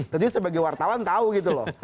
tadi sebagai wartawan tahu gitu loh